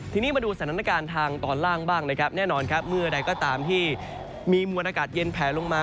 ทีนี้มาดูสถานการณ์ทางตอนล่างบ้างนะครับแน่นอนครับเมื่อใดก็ตามที่มีมวลอากาศเย็นแผลลงมา